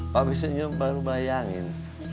pak senyum baru bayangin